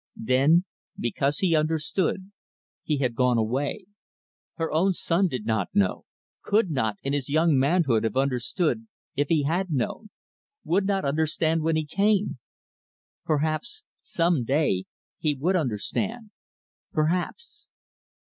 Then because he understood he had gone away. Her own son did not know could not, in his young manhood, have understood, if he had known would not understand when he came. Perhaps, some day, he would understand perhaps.